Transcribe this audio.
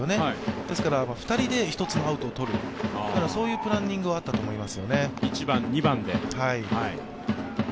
ですから、２人で１つのアウトをとる、そういうプランニングはあったと思います。